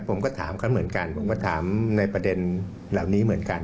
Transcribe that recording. ผมก็ถามเขาเหมือนกันผมก็ถามในประเด็นเหล่านี้เหมือนกัน